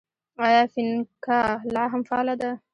آیا فینکا لا هم فعاله ده؟